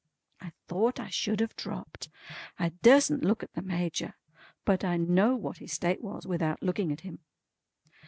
I thought I should have dropped. I durstn't look at the Major; but I know what his state was, without looking at him.